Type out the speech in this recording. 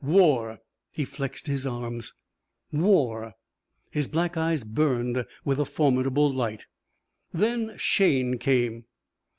War! He flexed his arms. War. His black eyes burned with a formidable light. Then Shayne came.